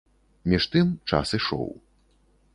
Між тым, час ішоў.